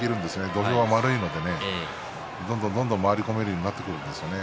土俵は円いのでどんどん回り込めるようになっていくんですね